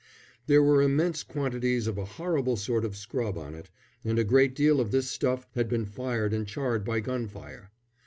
There were immense quantities of a horrible sort of scrub on it, and a great deal of this stuff had been fired and charred by gun fire.